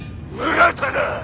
村田だ！